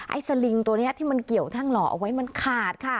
สลิงตัวนี้ที่มันเกี่ยวแท่งหล่อเอาไว้มันขาดค่ะ